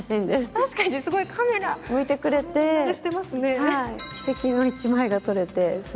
確かに、すごいカメラ向いてくれてますね。